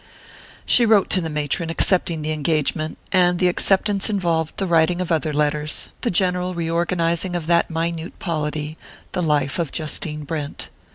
She wrote to the matron accepting the engagement; and the acceptance involved the writing of other letters, the general reorganizing of that minute polity, the life of Justine Brent.